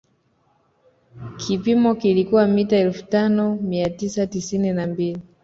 Kipimo kilikuwa mita elfu tano mia tisa tisini na mbili